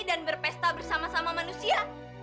dan berpesta bersama sama manusia